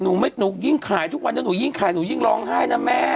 หนูยิ่งขายทุกวันนี้หนูยิ่งขายหนูยิ่งร้องไห้นะแม่